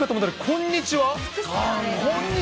こんにちは？